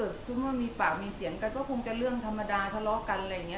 ไม่มีนะคะก็ถ้าเกิดมีปากมีเสียงกันก็คงจะเรื่องธรรมดาทะเลาะกันอะไรอย่างนี้